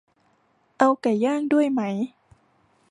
เอาไก่ย่างด้วยไหม